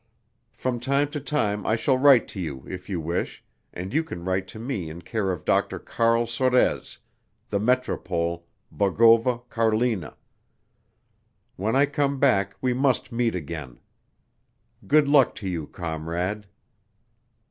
From time to time I shall write to you, if you wish, and you can write to me in care of Dr. Carl Sorez, the Metropole, Bogova, Carlina. When I come back we must meet again. Good luck to you, comrade.